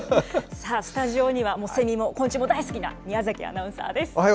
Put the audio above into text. スタジオにはセミも昆虫も大好きな宮崎アナウンサーです。